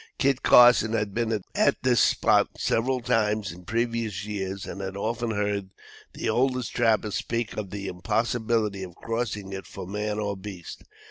Kit Carson had been at this spot several times in previous years, and had often heard the oldest trappers speak of the impossibility of crossing it for man or beast.